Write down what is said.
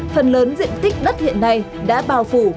phần lớn diện tích đất hiện nay đã bao phủ